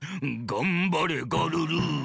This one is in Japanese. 『がんばれガルル』。